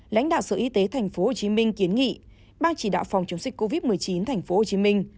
lãnh đạo sở y tế tp hcm kiến nghị bang chỉ đạo phòng chống dịch covid một mươi chín tp hcm